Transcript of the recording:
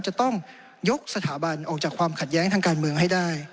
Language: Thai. จะต้องยกสถาบันออกจากความขัดแย้งทางการเมืองให้ได้